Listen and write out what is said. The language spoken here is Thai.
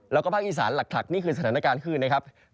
แล้วก็ภาคอีสานหลักนี่คือสถานการณ์คลื่นนะครับ